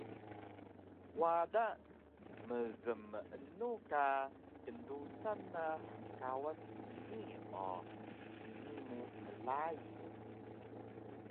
Wada mgmeenu ka kndusan na hngkawas snii o ini mu klai